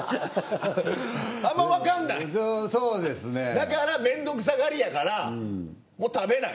だからめんどくさがりやからもう食べない？